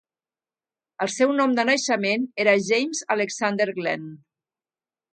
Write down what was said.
El seu nom de naixement era James Alexander Glenn.